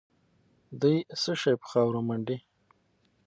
دوی څه شي په خاورو منډي؟